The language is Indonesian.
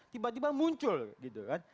tiba tiba muncul gitu kan